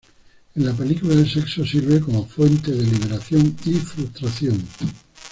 En la película, el sexo sirve como fuente de liberación y frustración.